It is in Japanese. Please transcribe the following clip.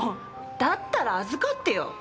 だったら預かってよ。